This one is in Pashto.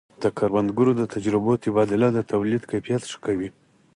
د کروندګرو د تجربو تبادله د تولید کیفیت ښه کوي.